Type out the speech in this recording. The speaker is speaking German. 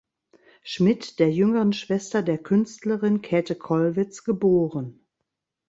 Schmidt, der jüngeren Schwester der Künstlerin Käthe Kollwitz geboren.